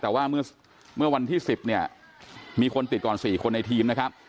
แต่ว่าเมื่อวันที่๑๐เนี่ยมีคนติดก่อน๔คนในทีมนะครับ